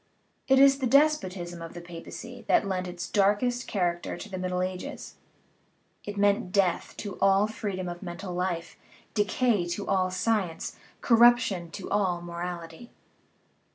It is the despotism of the papacy that lent its darkest character to the Middle Ages; it meant death to all freedom of mental life, decay to all science, corruption SCIENCE AND CHRISTIANITY to all morality.